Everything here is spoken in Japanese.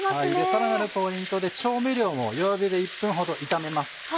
さらなるポイントで調味料も弱火で１分ほど炒めます。